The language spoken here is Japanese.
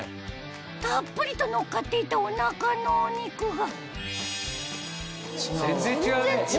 たっぷりと乗っかっていたおなかのお肉が全然違うね